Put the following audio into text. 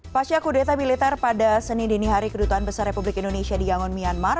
pasca kudeta militer pada senin dini hari kedutaan besar republik indonesia di yangon myanmar